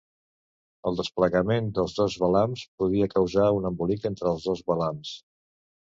El desplegament dels dos velams podria causar un embolic entre els dos velams.